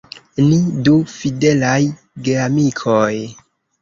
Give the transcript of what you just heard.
Ni du fidelaj geamikoj.